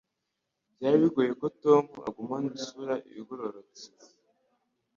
Byari bigoye ko Tom agumana isura igororotse.